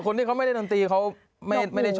คนที่เขาไม่ได้ดนตรีเขาไม่ได้ช่วย